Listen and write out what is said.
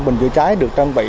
bình chữa trái được trang bị